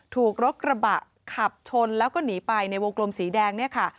ถูกรถกระบะขับชนแล้วก็หนีไปในวงกลมสีแดงเนี่ยค่ะ